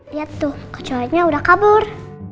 lihat tuh kecualinya udah kabur